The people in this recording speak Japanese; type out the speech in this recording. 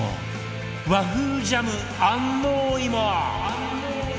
和風ジャム安納芋